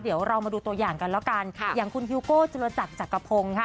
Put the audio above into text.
เดี๋ยวเรามาดูตัวอย่างกันแล้วกันอย่างคุณฮิวโก้จุลจักรจักรพงศ์ค่ะ